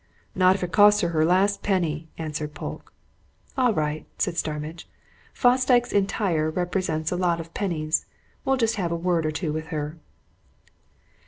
"Not if it costs her her last penny!" answered Polke. "All right," said Starmidge. "Fosdyke's Entire represents a lot of pennies. We'll just have a word or two with her."